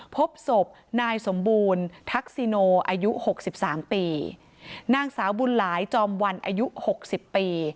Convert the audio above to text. พบสบนายสมบูรณ์ทักซิโนอายุ๖๓ปีนางสาวบุญหลายจอมวันอายุ๖๐ปี